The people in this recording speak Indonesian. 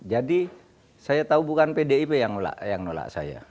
jadi saya tahu bukan pdip yang menolak saya